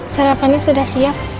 sarapannya sudah siap